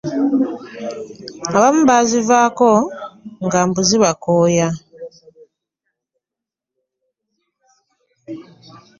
Abamu baazivaako mbu nga zibakooya.